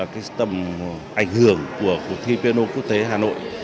cái tầm ảnh hưởng của cuộc thi peno quốc tế hà nội